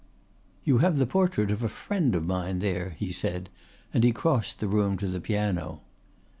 "You have the portrait of a friend of mine there," he said, and he crossed the room to the piano.